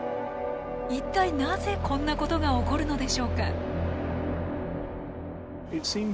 一体なぜこんなことが起こるのでしょうか？